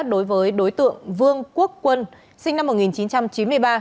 đối với đối tượng vương quốc quân sinh năm một nghìn chín trăm chín mươi ba